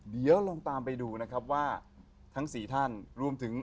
เดี๋ยวลองตามไปดูนะครับว่าทั้งสี่ท่านรวมถึง